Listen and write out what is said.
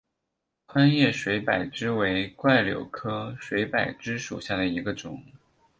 宽叶水柏枝为柽柳科水柏枝属下的一个种。